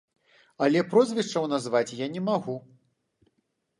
Але прозвішчаў назваць я не магу.